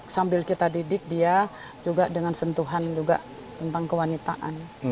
sambil kita didik dia juga dengan sentuhan juga tentang kewanitaan